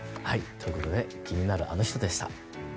ということで気になるアノ人でした。